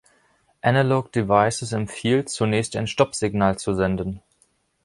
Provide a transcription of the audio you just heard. Analog Devices empfiehlt, zunächst ein Stopp-Signal zu senden.